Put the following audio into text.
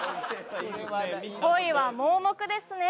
恋は盲目ですね